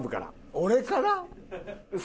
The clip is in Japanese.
俺から？